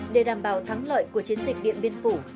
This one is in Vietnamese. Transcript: để đảm bảo thắng lợi của chiến dịch điện biên phủ